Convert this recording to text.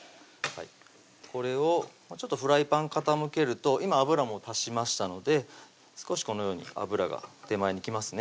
これをフライパン傾けると今油も足しましたので少しこのように油が手前に来ますね